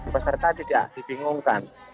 peserta tidak dibingungkan